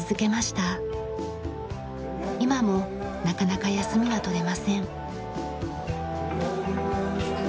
今もなかなか休みは取れません。